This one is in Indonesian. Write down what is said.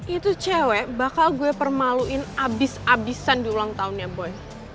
itu cewek bakal gue permaluin abis abisan di ulang tahunnya boy